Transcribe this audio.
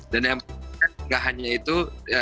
dan yang tidak hanya itu